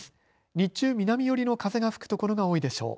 日中、南寄りの風が吹くところが多いでしょう。